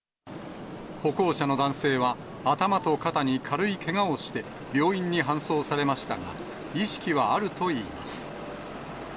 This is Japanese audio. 歩行者の男性は頭と肩に軽いけがをして病院に搬送されましたが、意識はあるといいます。